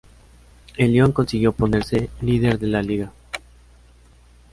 El Lyon, consiguió ponerse líder de la Liga.